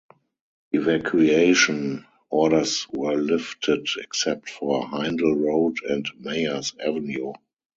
Evacuation orders were lifted except for Heindel Road and Meyers Avenue.